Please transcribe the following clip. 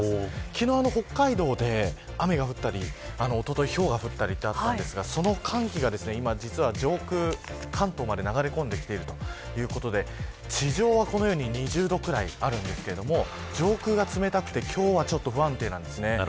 昨日、北海道で雨が降ったりおととい、ひょうが降ったりしたんですが、その寒気が今、上空、関東まで流れ込んできているということで地上はこのように２０度くらいあるんですけど上空が冷たくて今日は不安定です。